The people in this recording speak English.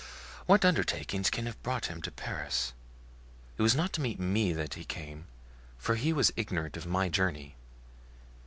What undertaking can have brought him to Paris? It was not to meet me that he came, for he was ignorant of my journey.